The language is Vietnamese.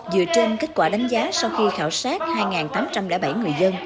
dựa trên kết quả đánh giá sau khi khảo sát hai tám trăm linh bảy người dân